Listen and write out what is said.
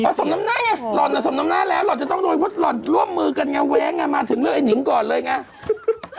จะส่งลำน้าล่อนจะส่งลำน้าแล้วล่อนจะต้องโดนเพราะล่อนร่วมมือกันไงแว๊งอะมาถึงเลือกไอ้นิ๋มก่อนเลยไง